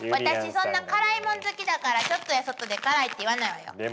私そんな辛いもん好きだからちょっとやそっとで辛いって言わないわよ。